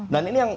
dan ini yang